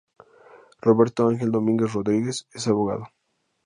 Roberto Ángel Domínguez Rodríguez es abogado.